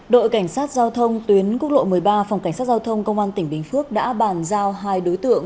đội cảnh sát giao thông tuyến quốc lộ một mươi ba phòng cảnh sát giao thông công an tỉnh bình phước đã bàn giao hai đối tượng